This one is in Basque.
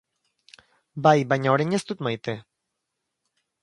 Bai, baina orain ez dut maite.